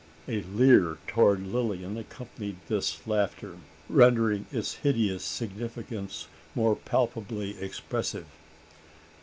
A leer towards Lilian accompanied this laughter, rendering its hideous significance more palpably expressive.